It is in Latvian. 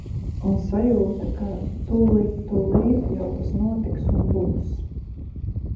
Un sajūta, ka tulīt tulīt jau tas notiks un būs!